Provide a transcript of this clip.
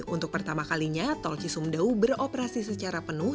untuk pertama kalinya tol cisumdawu beroperasi secara penuh